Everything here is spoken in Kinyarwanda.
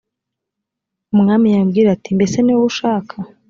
umwami yamubwira ati mbese niwowe ushaka.